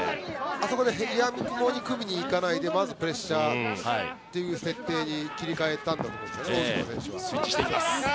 あそこでやみくもに組みに行かずにまずプレッシャーという設定に切り替えたんだと思います。